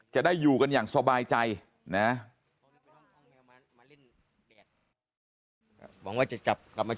จะได้อยู่กันอย่างสบายใจนะ